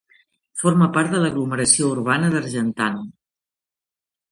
Forma part de l'aglomeració urbana d'Argentan.